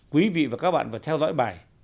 quý vị và các bạn vào theo dõi bài